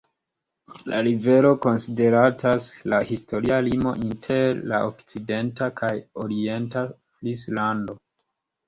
La rivero konsideratas la historia limo inter la okcidenta kaj orienta Frislando.